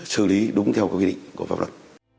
sử lý đúng theo cái quy định của pháp luật